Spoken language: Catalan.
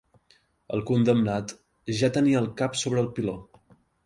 El condemnat ja tenia el cap sobre el piló.